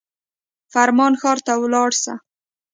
فرمانه ښار ته ولاړ سه.